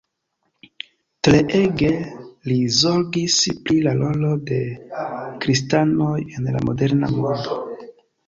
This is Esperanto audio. Treege li zorgis pri la rolo de kristanoj en la moderna mondo.